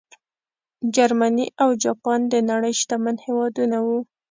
جرمني او جاپان د نړۍ شتمن هېوادونه وو.